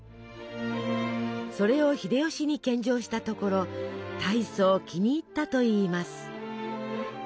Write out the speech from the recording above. それを秀吉に献上したところたいそう気に入ったといいます。